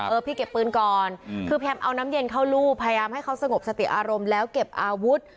พี่เก็บปืนก่อนคือพยายามเอาน้ำเย็นเข้าลูกพยายามให้เขาสงบสติอารมณ์แล้วเก็บอาวุธ